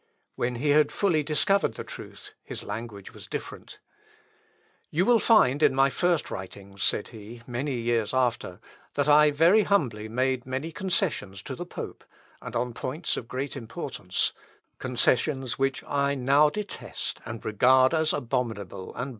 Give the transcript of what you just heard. When he had fully discovered the truth, his language was different. "You will find in my first writings," said he, many years after, "that I very humbly made many concessions to the pope, and on points of great importance; concessions which I now detest, and regard as abominable and blasphemous."